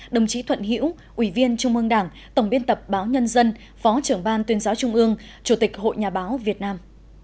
đồng chí thuận hiễu ủy viên trung ương đảng tổng biên tập báo nhân dân phó trưởng ban tuyên giáo trung ương chủ tịch hội nhà báo việt nam